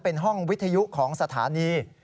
เป็นห้องวิทยุของสถานี